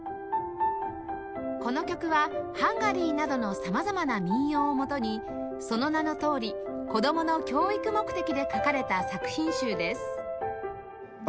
この曲はハンガリーなどの様々な民謡を元にその名のとおり子供の教育目的で書かれた作品集です